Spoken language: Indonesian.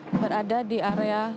berada di area